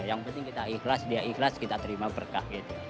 yang penting kita ikhlas dia ikhlas kita terima berkah gitu